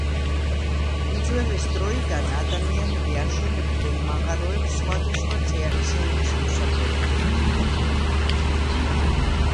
უძველეს დროიდან ადამიანები აშენებდნენ მაღაროებს სხვადასხვა წიაღისეულის მოსაპოვებლად.